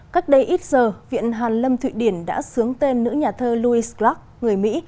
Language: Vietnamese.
cách đây ít giờ viện hàn lâm thụy điển đã sướng tên nữ nhà thơ louis clark người mỹ